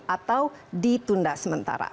atau ditunda sementara